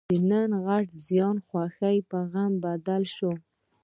نن غټ زیان؛ خوښي په غم بدله شوه.